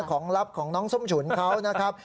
ลับของน้องส้มฉุนเขานะครับ